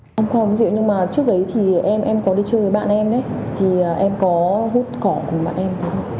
trước đấy em có đi chơi với bạn em em có hút cỏ cùng bạn em